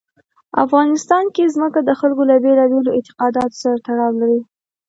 افغانستان کې ځمکه د خلکو له بېلابېلو اعتقاداتو سره تړاو لري.